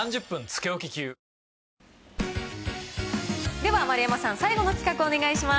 では、丸山さん、最後の企画、お願いします。